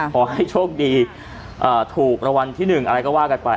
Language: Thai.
ขอให้โชคดีถูกรางวัลที่๑อะไรก็ว่ากันไป